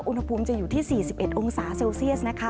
อุณหภูมิจะอยู่ที่๔๑องศาเซลเซียสนะคะ